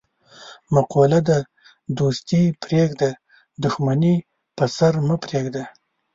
مقوله ده: دوستي پرېږده، دښمني په سر مه پرېږده.